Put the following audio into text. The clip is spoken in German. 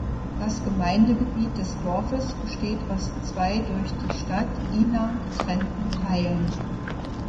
Das Gemeindegebiet des Dorfes besteht aus zwei durch die Stadt Ina getrennten Teilen.